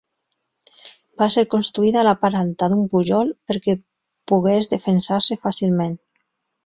Va ser construïda a la part alta d'un pujol perquè pogués defensar-se fàcilment.